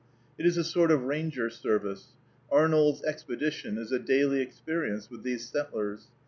It is a sort of ranger service. Arnold's expedition is a daily experience with these settlers.